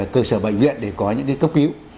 cơ sở bệnh viện để có những cấp cứu